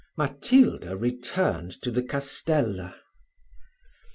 Matilda returned to the castella.